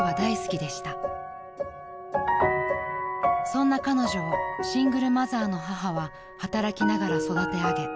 ［そんな彼女をシングルマザーの母は働きながら育て上げ